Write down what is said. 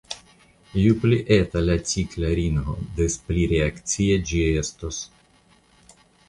Ju pli eta la cikla ringo des pli reakcia ĝi estos.